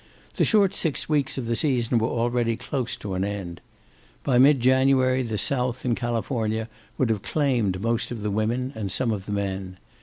The short six weeks of the season were already close to an end. By mid January the south and California would have claimed most of the women and some of the men.